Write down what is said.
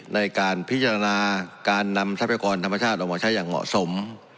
ในการพิจารณาการนำทรัพยากรธรรมชาติออกมาใช้อย่างเหมาะสม